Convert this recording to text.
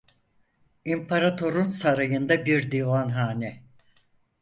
İmparator'un sarayında bir divanhane.